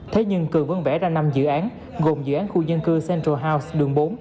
thế nhưng cường vẫn vẽ ra năm dự án gồm dự án khu dân cư central house đường bốn